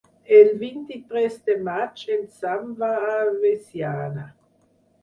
El vint-i-tres de maig en Sam va a Veciana.